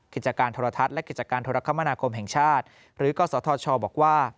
กิจการโทรทัศน์และกิจการโทรคมนาคมแห่งชาติหรือกศธชบอกว่า